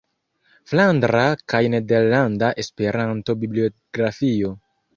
Flandra kaj Nederlanda Esperanto-Bibliografio.